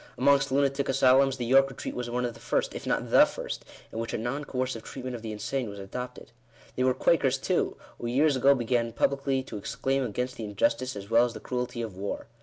Amongst lunatic asylums, the York Retreat was one of the first, if not the first, in which a non coercive treatment of the insane was adopted. They were Quakers too, who years ago began publicly to exclaim against the injustice as well as the cruelty of war.